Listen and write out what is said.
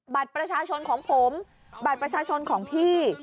บัตรประชาชนของผมบัตรประชาชนของพี่